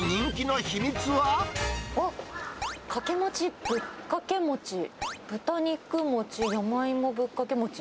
あっ、かけ餅、ぶっかけ餅、豚肉餅、山芋ぶっかけ餅。